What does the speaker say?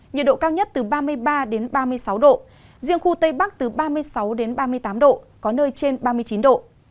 nhiệt độ cao nhất từ ba mươi ba đến ba mươi sáu độ riêng khu tây bắc từ ba mươi sáu ba mươi tám độ có nơi trên ba mươi chín độ